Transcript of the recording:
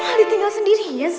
kok malah ditinggal sendirinya sih